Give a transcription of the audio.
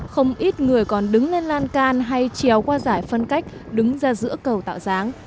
không ít người còn đứng lên lan can hay trèo qua giải phân cách đứng ra giữa cầu tạo dáng